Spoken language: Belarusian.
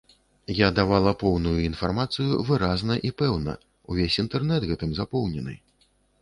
Я давала поўную інфармацыю выразна і пэўна, увесь інтэрнэт гэтым запоўнены.